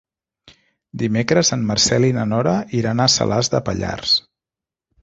Dimecres en Marcel i na Nora iran a Salàs de Pallars.